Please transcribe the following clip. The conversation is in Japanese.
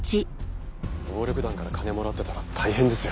暴力団から金もらってたら大変ですよ。